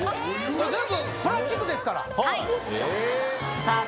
これ全部プラスチックですからさあ